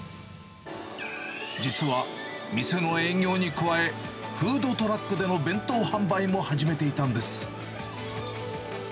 実は店の営業に加え、フードトラックでの弁当販売も始めていたんです。